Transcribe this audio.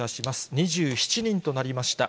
２７人となりました。